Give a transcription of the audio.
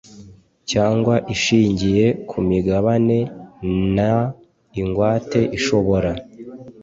Cyangwa ishingiye ku migabane n ingwate ishobora